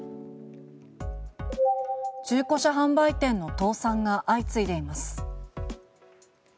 中古車販売店の倒産が相次いでいます。